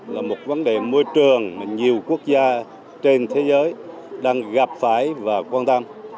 là một vấn đề môi trường mà nhiều quốc gia trên thế giới đang gặp phải và quan tâm